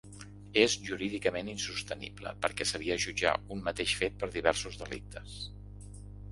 És jurídicament insostenible, perquè seria jutjar un mateix fet per diversos delictes.